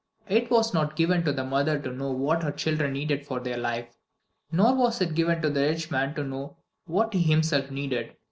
"It was not given to the mother to know what her children needed for their life. Nor was it given to the rich man to know what he himself needed.